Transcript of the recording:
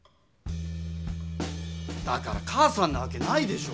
だから母さんなわけないでしょ。